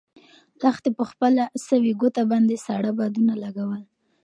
لښتې په خپله سوې ګوته باندې ساړه بادونه لګول.